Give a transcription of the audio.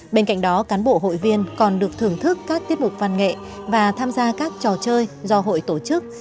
bên cạnh đó cán bộ hội viên còn được thưởng thức các tiết mục văn nghệ và tham gia các trò chơi do hội tổ chức